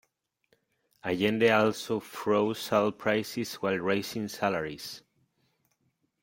Allende also froze all prices while raising salaries.